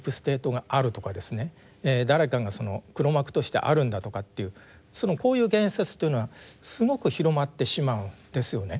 誰かがその黒幕としてあるんだとかというこういう言説というのはすごく広まってしまうんですよね。